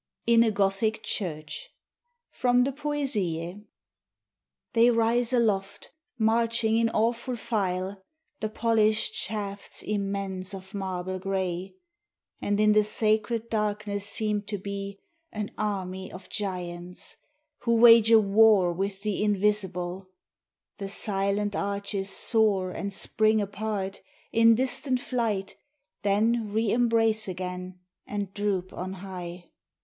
IN A GOTHIC CHURCH From the 'Poesie' They rise aloft, marching in awful file, The polished shafts immense of marble gray, And in the sacred darkness seem to be An army of giants Who wage a war with the invisible; The silent arches soar and spring apart In distant flight, then re embrace again And droop on high.